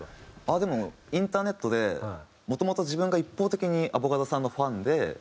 でもインターネットでもともと自分が一方的にアボガドさんのファンで。